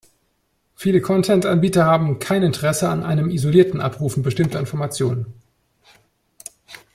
Viele Content-Anbieter haben kein Interesse an einem isolierten Abrufen bestimmter Informationen.